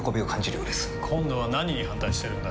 今度は何に反対してるんだ？